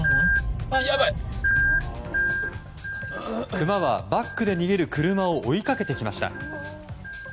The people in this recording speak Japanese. クマはバックで逃げる車を追いかけてきました。